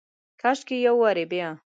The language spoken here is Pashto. کاشکي یو وارې بیا،